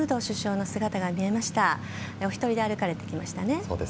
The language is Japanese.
お一人で歩かれてきましたね。